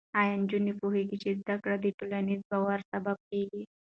ایا نجونې پوهېږي چې زده کړه د ټولنیز باور سبب کېږي؟